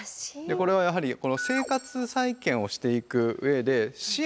これはやはり生活再建をしていく上で支援があります。